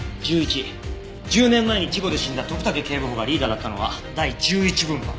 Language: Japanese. １０年前に事故で死んだ徳武警部補がリーダーだったのは第１１分班。